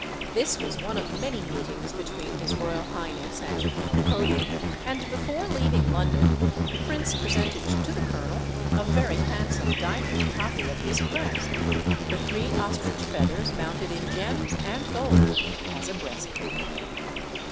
This was one of many meetings between his royal highness and Colonel Cody, and before leaving London the prince presented to the colonel a very handsome diamond copy of his crest the three ostrich feathers mounted in gems and gold as a breastpin.